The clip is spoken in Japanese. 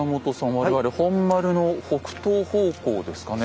我々本丸の北東方向ですかね？